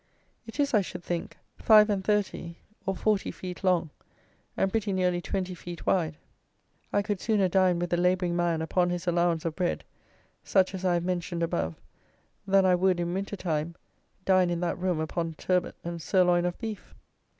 It is, I should think, five and thirty, or forty feet long, and pretty nearly twenty feet wide. I could sooner dine with a labouring man upon his allowance of bread, such as I have mentioned above, than I would, in winter time, dine in that room upon turbot and sirloin of beef.